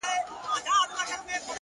نیک عمل د وجدان خوښي زیاتوي!